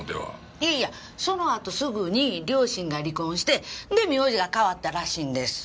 いやいやそのあとすぐに両親が離婚してで名字が変わったらしいんです。